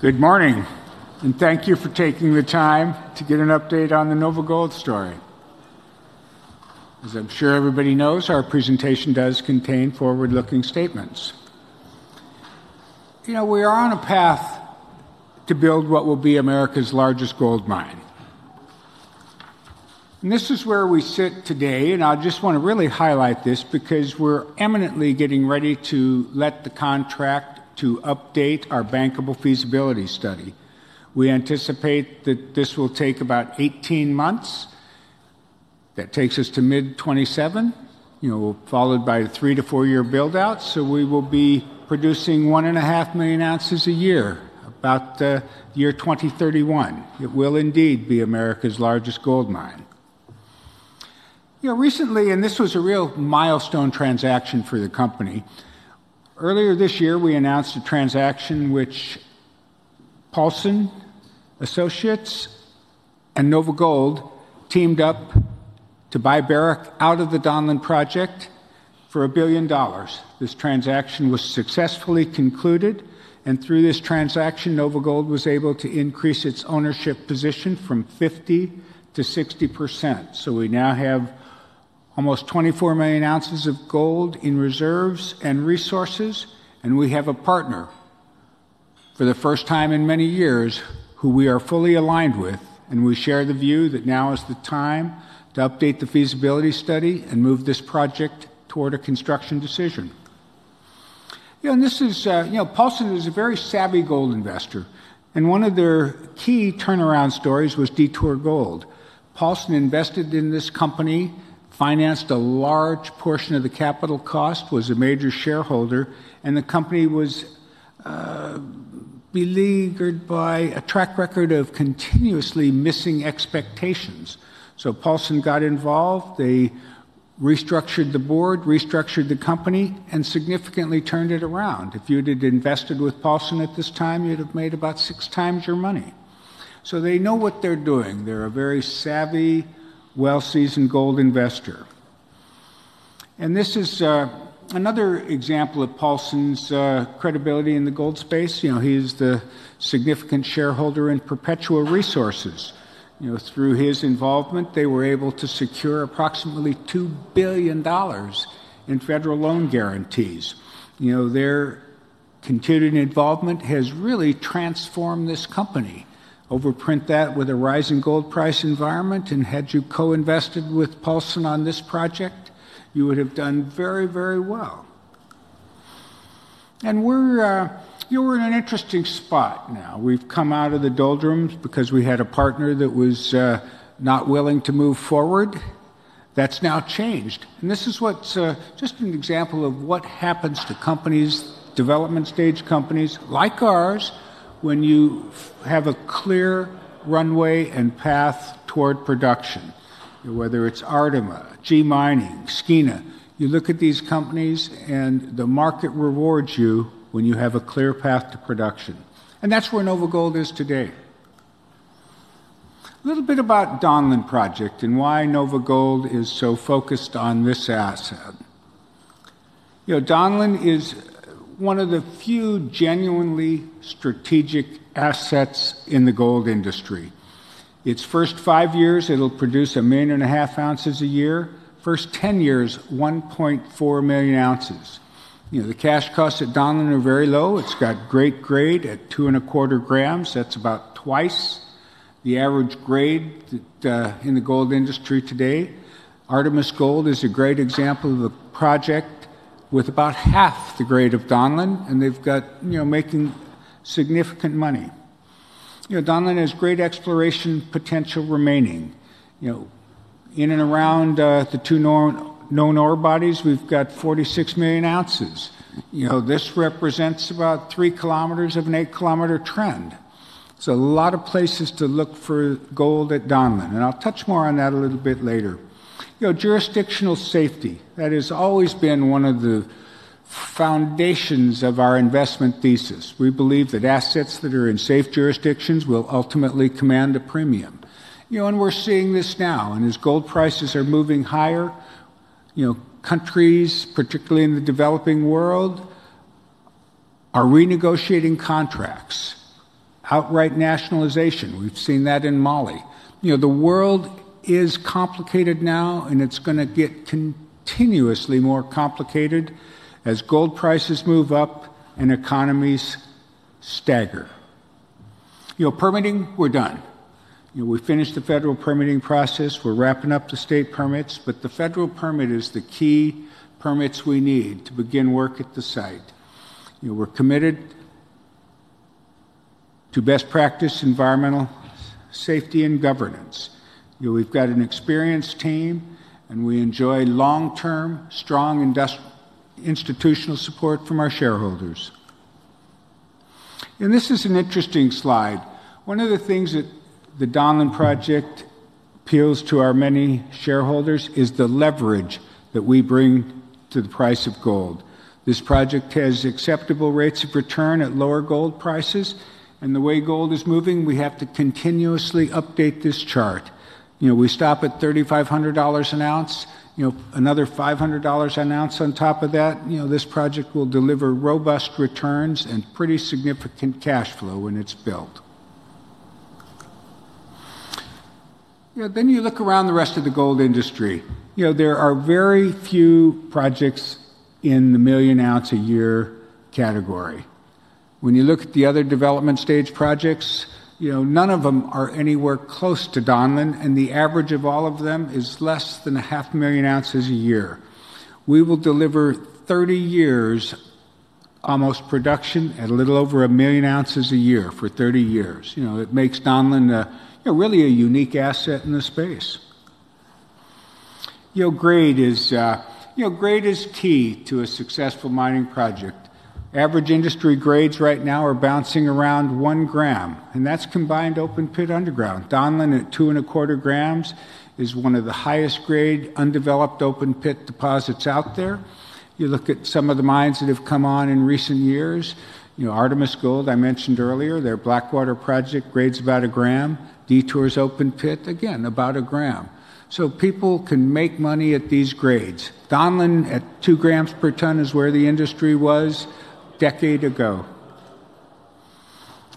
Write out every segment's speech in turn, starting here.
Good morning, and thank you for taking the time to get an update on the NOVAGOLD story. As I'm sure everybody knows, our presentation does contain forward-looking statements. You know, we are on a path to build what will be America's largest gold mine. This is where we sit today, and I just want to really highlight this because we're eminently getting ready to let the contract to update our bankable feasibility study. We anticipate that this will take about 18 months. That takes us to mid-2027, you know, followed by a three- to four-year build-out, so we will be producing one and a half million ounces a year, about year 2031. It will indeed be America's largest gold mine. You know, recently, and this was a real milestone transaction for the company, earlier this year we announced a transaction which Paulson Associates and NOVAGOLD teamed up to buy Barrick out of the Donlin project for $1 billion. This transaction was successfully concluded, and through this transaction, NOVAGOLD was able to increase its ownership position from 50% to 60%. So we now have almost 24 million ounces of gold in reserves and resources, and we have a partner for the first time in many years who we are fully aligned with, and we share the view that now is the time to update the feasibility study and move this project toward a construction decision. You know, and this is, you know, Paulson is a very savvy gold investor, and one of their key turnaround stories was Detour Gold. Paulson invested in this company, financed a large portion of the capital cost, was a major shareholder, and the company was beleaguered by a track record of continuously missing expectations. Paulson got involved, they restructured the board, restructured the company, and significantly turned it around. If you'd had invested with Paulson at this time, you'd have made about six times your money. They know what they're doing. They're a very savvy, well-seasoned gold investor. This is another example of Paulson's credibility in the gold space. You know, he's the significant shareholder in Perpetua Resources. You know, through his involvement, they were able to secure approximately $2 billion in federal loan guarantees. You know, their continued involvement has really transformed this company. Overprint that with a rising gold price environment, and had you co-invested with Paulson on this project, you would have done very, very well. We're, you know, we're in an interesting spot now. We've come out of the doldrums because we had a partner that was not willing to move forward. That's now changed. This is just an example of what happens to companies, development stage companies like ours, when you have a clear runway and path toward production. You know, whether it's Artemis, G Mining, Skeena, you look at these companies and the market rewards you when you have a clear path to production. That's where NOVAGOLD is today. A little bit about the Donlin project and why NOVAGOLD is so focused on this asset. You know, Donlin is one of the few genuinely strategic assets in the gold industry. Its first five years, it'll produce 1.5 million ounces a year. First ten years, 1.4 million ounces. You know, the cash costs at Donlin are very low. It's got great grade at two and a quarter grams. That's about twice the average grade in the gold industry today. Artemis Gold is a great example of a project with about half the grade of Donlin, and they've got, you know, making significant money. You know, Donlin has great exploration potential remaining. You know, in and around the two known ore bodies, we've got 46 million ounces. You know, this represents about 3 km of an 8 km trend. A lot of places to look for gold at Donlin, and I'll touch more on that a little bit later. You know, jurisdictional safety, that has always been one of the foundations of our investment thesis. We believe that assets that are in safe jurisdictions will ultimately command a premium. You know, and we're seeing this now, and as gold prices are moving higher, you know, countries, particularly in the developing world, are renegotiating contracts. Outright nationalization, we've seen that in Mali. You know, the world is complicated now, and it's going to get continuously more complicated as gold prices move up and economies stagger. You know, permitting, we're done. You know, we finished the federal permitting process. We're wrapping up the state permits, but the federal permit is the key permit we need to begin work at the site. You know, we're committed to best practice, environmental safety, and governance. You know, we've got an experienced team, and we enjoy long-term, strong institutional support from our shareholders. This is an interesting slide. One of the things that the Donlin project appeals to our many shareholders is the leverage that we bring to the price of gold. This project has acceptable rates of return at lower gold prices, and the way gold is moving, we have to continuously update this chart. You know, we stop at $3,500 an ounce, you know, another $500 an ounce on top of that, you know, this project will deliver robust returns and pretty significant cash flow when it's built. You know, then you look around the rest of the gold industry. You know, there are very few projects in the million ounce a year category. When you look at the other development stage projects, you know, none of them are anywhere close to Donlin, and the average of all of them is less than a half million ounces a year. We will deliver 30 years almost production at a little over a million ounces a year for 30 years. You know, it makes Donlin a, you know, really a unique asset in the space. You know, grade is, you know, grade is key to a successful mining project. Average industry grades right now are bouncing around 1 g, and that's combined open pit underground. Donlin at 2.25 g is one of the highest grade undeveloped open pit deposits out there. You look at some of the mines that have come on in recent years, you know, Artemis Gold I mentioned earlier, their Blackwater project grades about 1 g. Detour's open pit, again, about 1 g. People can make money at these grades. Donlin at 2 g per ton is where the industry was a decade ago.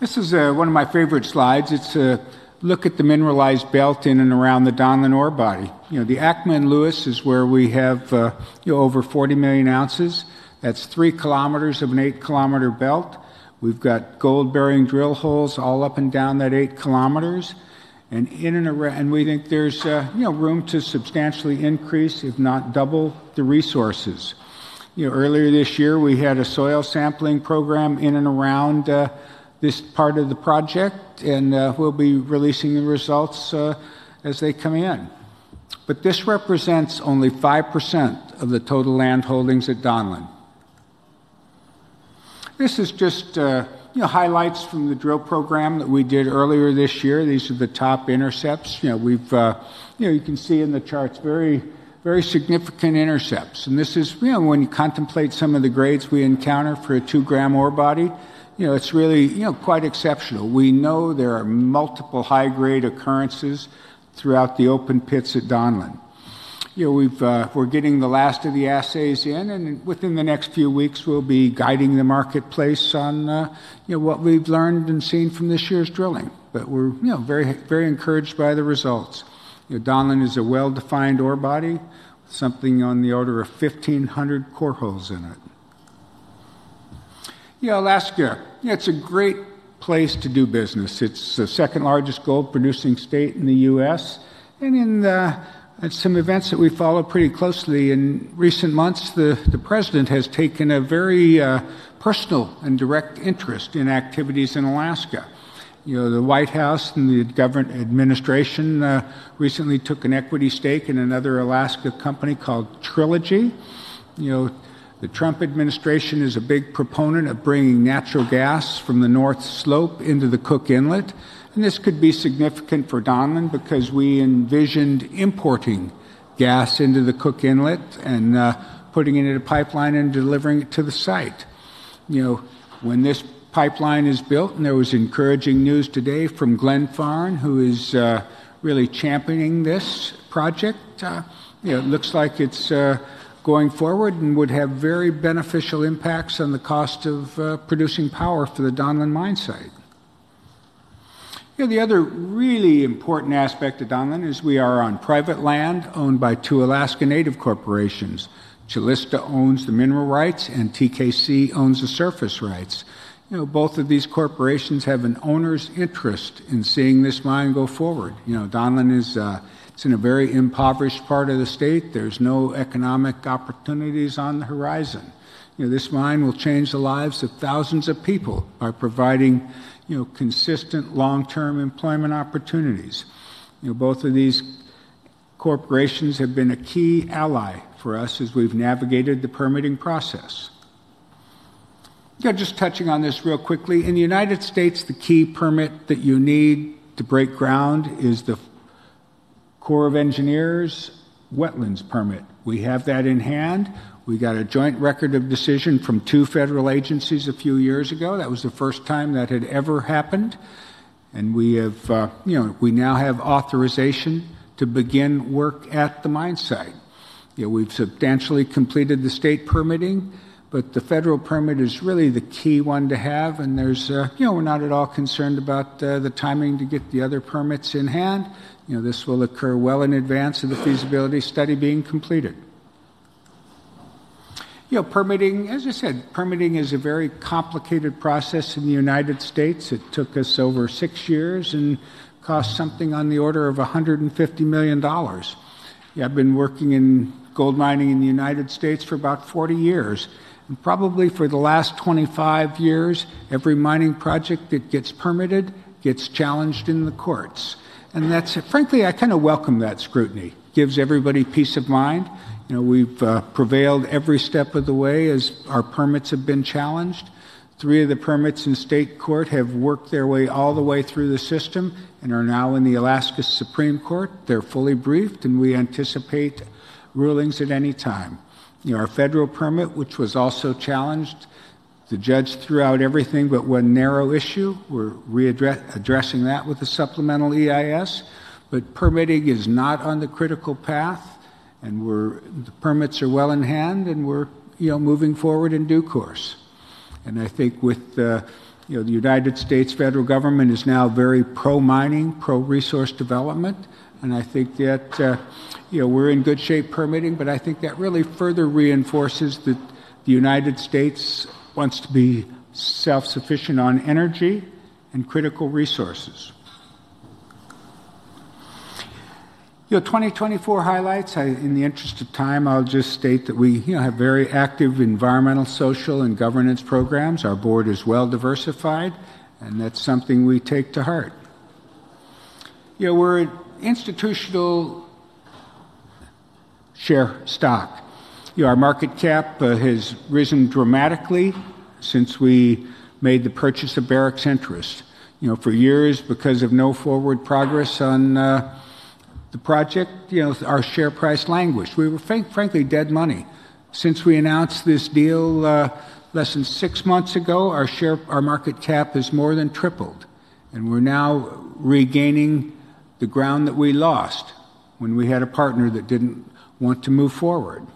This is one of my favorite slides. It's a look at the mineralized belt in and around the Donlin ore body. You know, the Ackman Lewis is where we have, you know, over 40 million ounces. That's 3 km of an 8 km belt. We've got gold-bearing drill holes all up and down that 8 kilometers, and in and around, and we think there's, you know, room to substantially increase, if not double, the resources. You know, earlier this year we had a soil sampling program in and around this part of the project, and we'll be releasing the results as they come in. This represents only 5% of the total land holdings at Donlin. This is just, you know, highlights from the drill program that we did earlier this year. These are the top intercepts. You know, we've, you know, you can see in the charts, very, very significant intercepts. This is, you know, when you contemplate some of the grades we encounter for a two-gram ore body, you know, it's really, you know, quite exceptional. We know there are multiple high-grade occurrences throughout the open pits at Donlin. You know, we're getting the last of the assays in, and within the next few weeks we'll be guiding the marketplace on, you know, what we've learned and seen from this year's drilling. But we're, you know, very, very encouraged by the results. You know, Donlin is a well-defined ore body, something on the order of 1,500 core holes in it. You know, Alaska, you know, it's a great place to do business. It's the second largest gold-producing state in the U.S. In some events that we follow pretty closely in recent months, the president has taken a very personal and direct interest in activities in Alaska. You know, the White House and the administration recently took an equity stake in another Alaska company called Trilogy. You know, the Trump administration is a big proponent of bringing natural gas from the North Slope into the Cook Inlet, and this could be significant for Donlin because we envisioned importing gas into the Cook Inlet and putting it in a pipeline and delivering it to the site. You know, when this pipeline is built, and there was encouraging news today from Glenfarne, who is really championing this project, you know, it looks like it's going forward and would have very beneficial impacts on the cost of producing power for the Donlin mine site. You know, the other really important aspect of Donlin is we are on private land owned by two Alaska Native corporations. Calista owns the mineral rights, and The Kuskokwim Corporation owns the surface rights. You know, both of these corporations have an owner's interest in seeing this mine go forward. You know, Donlin is, it's in a very impoverished part of the state. There's no economic opportunities on the horizon. You know, this mine will change the lives of thousands of people by providing, you know, consistent long-term employment opportunities. You know, both of these corporations have been a key ally for us as we've navigated the permitting process. You know, just touching on this real quickly, in the U.S., the key permit that you need to break ground is the Corps of Engineers' Wetlands Permit. We have that in hand. We got a joint record of decision from two federal agencies a few years ago. That was the first time that had ever happened. We have, you know, we now have authorization to begin work at the mine site. You know, we've substantially completed the state permitting, but the federal permit is really the key one to have, and there's, you know, we're not at all concerned about the timing to get the other permits in hand. You know, this will occur well in advance of the feasibility study being completed. You know, permitting, as I said, permitting is a very complicated process in the U.S. It took us over six years and cost something on the order of $150 million. You know, I've been working in gold mining in the U.S. for about 40 years. And probably for the last 25 years, every mining project that gets permitted gets challenged in the courts. And that's, frankly, I kind of welcome that scrutiny. It gives everybody peace of mind. You know, we've prevailed every step of the way as our permits have been challenged. Three of the permits in state court have worked their way all the way through the system and are now in the Alaska Supreme Court. They're fully briefed, and we anticipate rulings at any time. You know, our federal permit, which was also challenged, the judge threw out everything but one narrow issue. We're addressing that with a supplemental EIS. Permitting is not on the critical path, and the permits are well in hand, and we're, you know, moving forward in due course. I think with the, you know, the United States federal government is now very pro-mining, pro-resource development, and I think that, you know, we're in good shape permitting, but I think that really further reinforces that the United States wants to be self-sufficient on energy and critical resources. You know, 2024 highlights, in the interest of time, I'll just state that we, you know, have very active environmental, social, and governance programs. Our board is well diversified, and that's something we take to heart. You know, we're an institutional share stock. You know, our market cap has risen dramatically since we made the purchase of Barrick. You know, for years, because of no forward progress on the project, you know, our share price languished. We were, frankly, dead money. Since we announced this deal less than six months ago, our share, our market cap has more than tripled, and we're now regaining the ground that we lost when we had a partner that didn't want to move forward.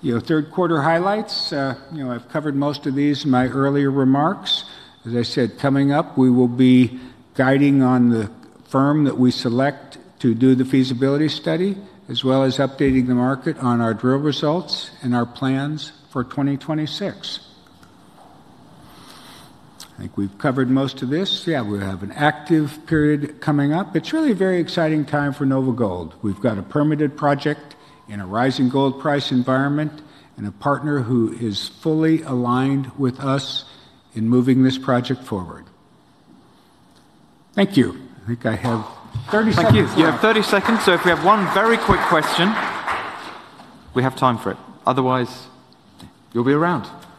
You know, third quarter highlights, you know, I've covered most of these in my earlier remarks. As I said, coming up, we will be guiding on the firm that we select to do the feasibility study, as well as updating the market on our drill results and our plans for 2026. I think we've covered most of this. Yeah, we have an active period coming up. It's really a very exciting time for NOVAGOLD. We've got a permitted project in a rising gold price environment and a partner who is fully aligned with us in moving this project forward. Thank you. I think I have 30 seconds. Thank you. You have 30 seconds. If we have one very quick question, we have time for it. Otherwise, you'll be around. Thank you.